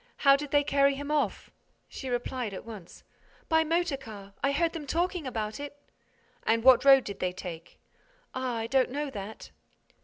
How did they carry him off?" She replied at once: "By motor car. I heard them talking about it—" "And what road did they take?" "Ah, I don't know that!"